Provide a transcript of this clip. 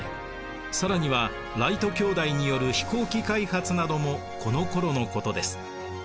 更にはライト兄弟による飛行機開発などもこのころのことです。